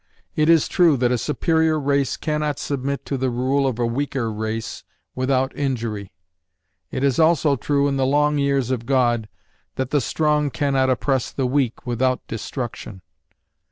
It is true that a superior race cannot submit to the rule of a weaker race without injury; it is also true in the long years of God that the strong cannot oppress the weak without destruction.